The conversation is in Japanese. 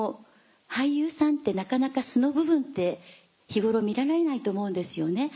俳優さんってなかなか素の部分って日頃見られないと思うんですよね。